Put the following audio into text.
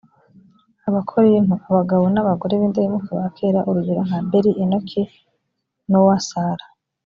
abakorinto abagabo n abagore b indahemuka ba kera urugero nka abeli enoki nowa sara